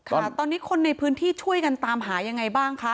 ค่ะตอนนี้คนในพื้นที่ช่วยกันตามหายังไงบ้างคะ